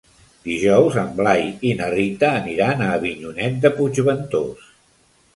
Dijous en Blai i na Rita aniran a Avinyonet de Puigventós.